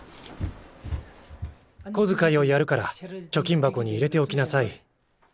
こづかいをやるから貯金箱に入れておきなさい。